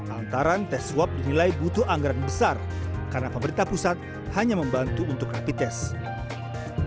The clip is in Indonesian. antara tes swab dinilai butuh anggaran besar karena pemerintah pusat hanya membantu untuk rapid test